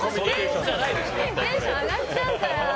テンション上がっちゃうから！